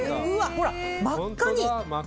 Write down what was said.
ほら、真っ赤に。